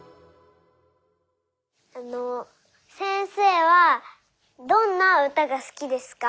あのせんせいはどんなうたがすきですか？